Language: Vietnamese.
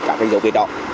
cả cái dấu vệt đó